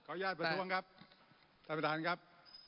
ก็อยากเรียนไปท้วงนะครับท่านประธานครับ